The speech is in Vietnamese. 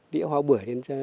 đĩa hoa bưởi